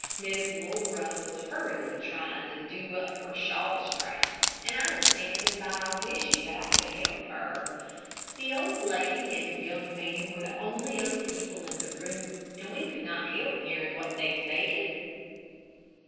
Miss Laura was hurriedly trying to do up her shawl strap, and I was standing by, wishing that I could help her. The old lady and the young man were the only other people in the room, and we could not help hearing what they said.